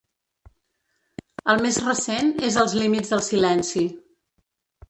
El més recent és Els límits del silenci.